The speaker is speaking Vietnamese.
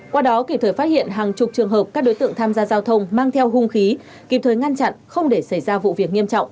qua đó kịp thời phát hiện hàng chục trường hợp các đối tượng tham gia giao thông mang theo hung khí